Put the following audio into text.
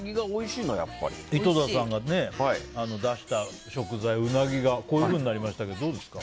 井戸田さんが出した食材のうなぎがこういうふうになりましたけどどうですか。